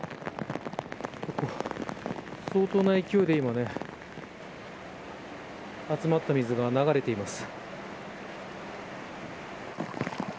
相当な勢いで今集まった水が流れています。